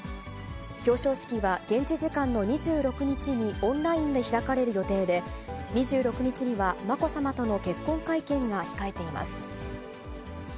表彰式は現地時間の２６日にオンラインで開かれる予定で、２６日にはまこさまとの結婚会見が控えています。